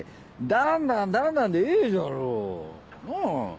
だんだんだんだんでええじゃろのう。